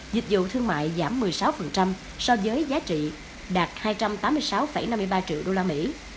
dịch vụ thương mại giảm một mươi sáu so với giá trị đạt hai trăm tám mươi sáu năm mươi ba triệu đô la mỹ